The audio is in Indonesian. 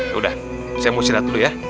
yaudah saya mau istirahat dulu ya